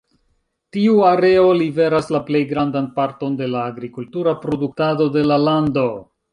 Tiu areo liveras la plej grandan parton de la agrikultura produktado de la lando.